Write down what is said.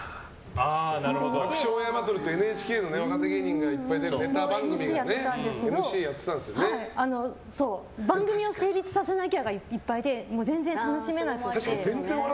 「爆笑オンエアバトル」ってＮＨＫの若手芸人がいっぱい出る番組で番組を成立させなきゃがいっぱいで全然楽しめなくて。